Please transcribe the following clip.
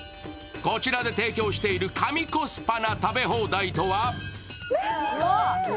こちらで提供している神コスパな食べ放題とは？